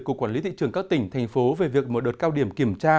cục quản lý thị trường các tỉnh thành phố về việc mở đợt cao điểm kiểm tra